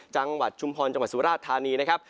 จังหวัดชุมพรจังหวัดสุราชธานีนะครับ